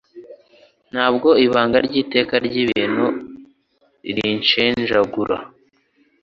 Ntabwo ibanga ry'iteka ry'ibintu rinshenjagura